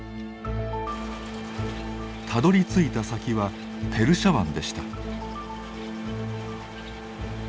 たどりついた先はペルシャ湾でした。